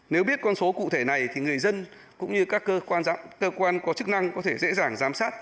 nếu biết con số cụ thể này thì người dân cũng như các cơ quan có chức năng có thể dễ dàng giám sát